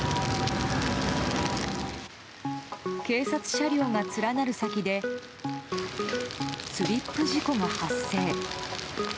警察車両が連なる先でスリップ事故が発生。